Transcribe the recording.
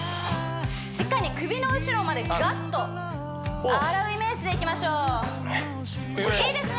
しっかり首の後ろまでぐわっと洗うイメージでいきましょういいですね